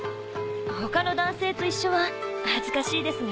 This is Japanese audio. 他の男性と一緒は恥ずかしいですが。